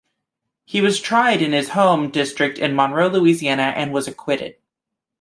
He was tried in his home district in Monroe, Louisiana and was acquitted.